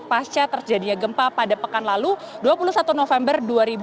pasca terjadinya gempa pada pekan lalu dua puluh satu november dua ribu dua puluh